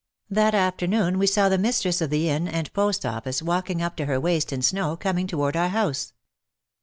That afternoon we saw the mistress of the inn and postoffice walking up to her waist in snow, coming toward our house.